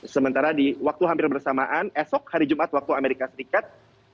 sementara di waktu hampir bersamaan esok hari jumat waktu amerika serikat